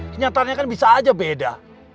kenyataannya kan bisa aja beda